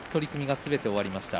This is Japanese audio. すべて終わりました。